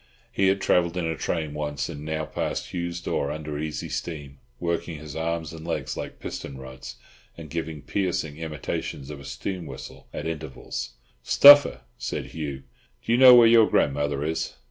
He had travelled in a train once, and now passed Hugh's door under easy steam, working his arms and legs like piston rods, and giving piercing imitations of a steam whistle at intervals. "Stuffer," said Hugh, "do you know where your grandmother is?"